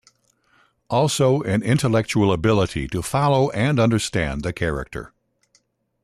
Also an intellectual ability to follow and understand the character.